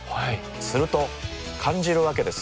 すると感じるわけです。